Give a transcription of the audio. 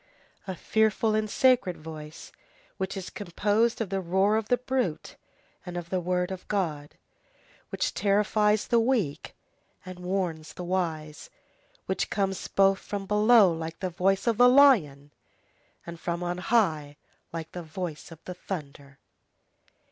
A fearful and sacred voice which is composed of the roar of the brute and of the word of God, which terrifies the weak and which warns the wise, which comes both from below like the voice of the lion, and from on high like the voice of the thunder.